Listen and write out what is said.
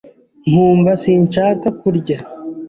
nkumva sinshaka kurya,